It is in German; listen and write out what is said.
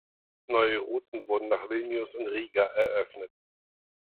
Neue Routen wurden nach Vilnius und Riga eröffnet.